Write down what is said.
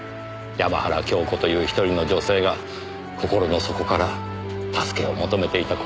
山原京子という１人の女性が心の底から助けを求めていた声が。